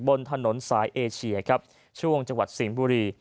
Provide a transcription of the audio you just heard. บนถนนสายเอเชียครับช่วงจังหวัดสิงห์บุรี